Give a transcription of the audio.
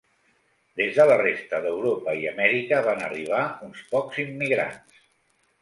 Des de la resta d'Europa i Amèrica van arribar uns pocs immigrants.